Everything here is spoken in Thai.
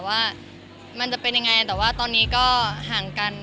ว่ามันจะเป็นยังไงแต่ว่าตอนนี้ก็ห่างกัน